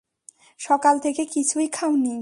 সকাল থেকে কিছুই খাওনি।